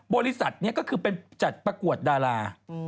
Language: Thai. บริษัทนี้ก็คือเป็นจัดประกวดดารา